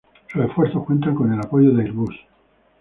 Sus esfuerzos cuentan con el apoyo de Airbus.